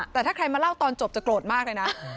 แต่ถ้าใครมาเล่าตอนจบจะโกรธมากเลยนะ